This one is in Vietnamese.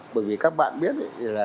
bởi vì các bạn biết